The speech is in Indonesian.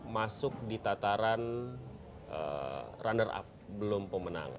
masuk di tataran runner up belum pemenang